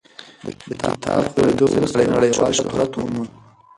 د کتاب خپرېدو وروسته نړیوال شهرت وموند.